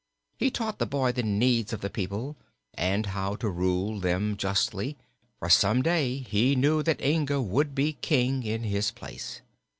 He taught the boy the needs of the people and how to rule them justly, for some day he knew that Inga would be King in his place.